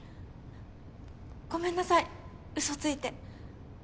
ごめんなさいうそついて。